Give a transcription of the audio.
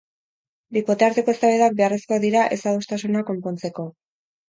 Bikote arteko eztabaidak beharrekoak dira ez-adostasunak konpontzeko.